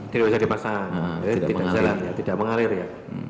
tidak bisa dipasang jadi tidak jalan tidak mengalir ya